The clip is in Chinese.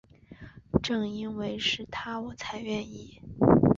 正因为是他我才愿意